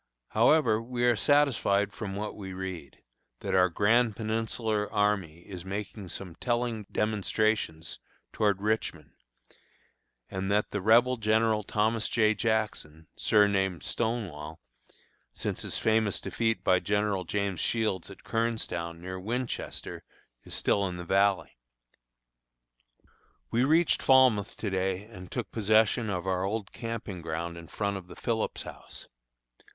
However, we are satisfied from what we read, that our grand Peninsular army is making some telling demonstrations toward Richmond, and that the Rebel General Thomas J. Jackson, surnamed "Stonewall," since his famous defeat by General James Shields at Kernstown, near Winchester, is still in the valley. May 25th. We reached Falmouth to day and took possession of our old camping ground in front of the Phillips House.